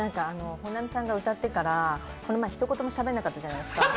本並さんが歌ってたらこの前、ひと言もしゃべんなかったじゃないですか。